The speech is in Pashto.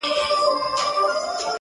• زما له غېږي زما له څنګه پاڅېدلای,